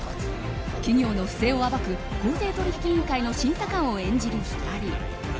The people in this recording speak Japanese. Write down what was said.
企業の不正を暴く公正取引委員会の審査官を演じる２人。